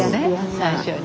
最初に。